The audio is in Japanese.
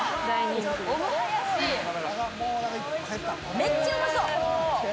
めっちゃうまそう！